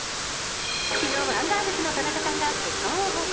昨日、アンガールズの田中さんが結婚を報告。